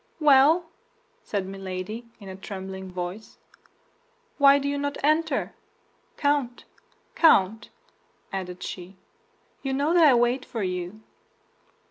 "Well," said Milady, in a trembling voice, "why do you not enter? Count, Count," added she, "you know that I wait for you."